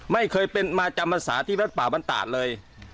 ไม่เคยมาจำพรรษาที่พระประวัติศาสตร์เลย